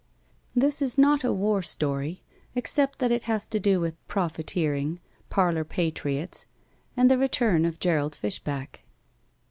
This is not a war story except that it has to do with profiteering, parlor patriots, and the return of Gerald Fishback.